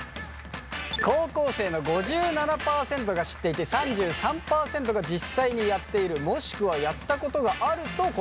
高校生の５７％が知っていて３３％が実際にやっているもしくはやったことがあると答えました。